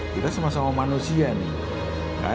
kita sama sama manusia nih